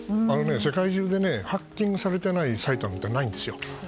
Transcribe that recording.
世界中でハッキングされていないサイトなんてないんですよ。